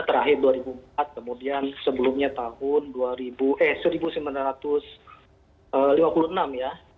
terakhir dua ribu empat kemudian sebelumnya tahun seribu sembilan ratus lima puluh enam ya